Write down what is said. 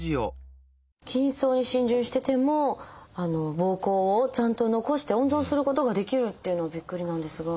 筋層に浸潤してても膀胱をちゃんと残して温存することができるっていうのはびっくりなんですが。